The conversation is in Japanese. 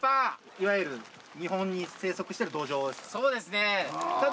いわゆる日本に生息してるドジョウですか？